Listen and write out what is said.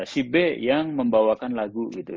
si b yang membawakan lagu gitu